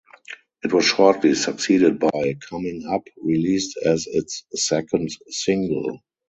It was shortly succeeded by "Coming Up" released as its second single.